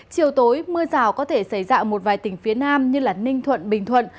chiều tối mưa rào có thể xảy ra ở một vài tỉnh phía nam như ninh thuận bình thuận